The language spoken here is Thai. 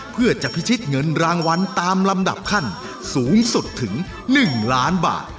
เพื่อจะพิชิตเงินรางวัลตามลำดับขั้นสูงสุดถึง๑ล้านบาท